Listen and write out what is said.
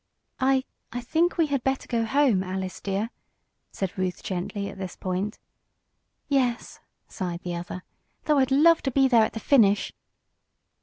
"I I think we had better go home, Alice dear," said Ruth gently, at this point. "Yes," sighed the other, "though I'd love to be there at the finish!"